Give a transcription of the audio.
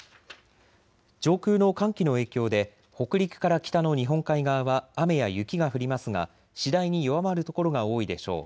上空の寒気の影響で北陸から北の日本海側は雨や雪が降りますが次第に弱まる所が多いでしょう。